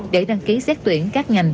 để đăng ký xét tuyển các ngành